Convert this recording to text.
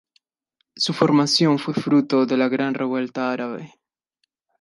Su formación fue fruto de la gran revuelta árabe.